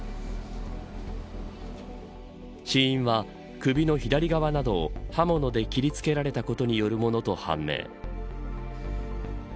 死因は首の左側などを刃物で切り付けられたことによるものと判明。